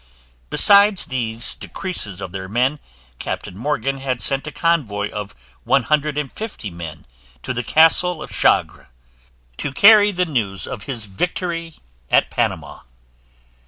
Besides these decreases of their men, Captain Morgan had sent a convoy of one hundred and fifty men to the castle of Chagre, to carry the news of his victory at Panama.